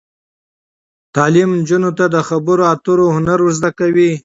تعلیم نجونو ته د خبرو اترو هنر ور زده کوي.